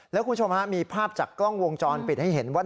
แล้วคุณผู้ชมฮะมีภาพจากกล้องวงจรปิดให้เห็นว่า